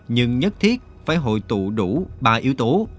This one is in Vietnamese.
nhưng nhất thiết phải hội tụ đủ ba yếu tố